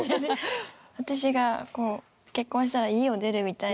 私が結婚したら家を出るみたいな。